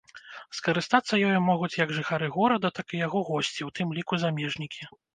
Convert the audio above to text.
Скарыстацца ёю могуць як жыхары горада, так і яго госці, у тым ліку замежнікі.